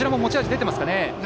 出ていますね。